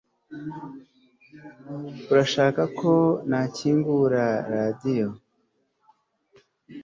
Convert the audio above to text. Urashaka ko nakingura radio